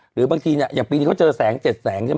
หรือบางทีเนี่ยอย่างปีนี้เขาเจอแสง๗แสงใช่ไหม